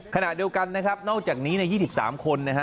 ขณะเดียวกันนะครับนอกจากนี้ใน๒๓คนนะฮะ